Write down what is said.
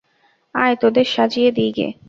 আয় তোদের সাজিয়ে দিইগে।